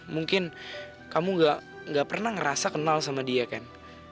mungkin kamu gak pernah ngerasa kenal sama dia kan